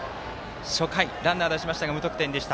初回、ランナー出しましたが無得点でした。